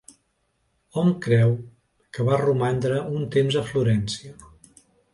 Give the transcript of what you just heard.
Hom creu que va romandre un temps a Florència.